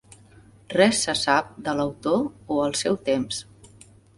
Res se sap de l'autor o el seu temps.